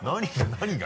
何が？